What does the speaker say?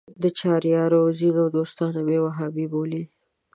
د چهاریارو ځینې دوستان مې وهابي بولي.